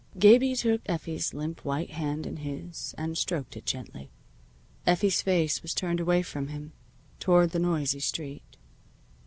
Gabie took Effie's limp white hand in his, and stroked it gently. Effie's face was turned away from him, toward the noisy street.